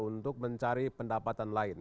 untuk mencari pendapatan lain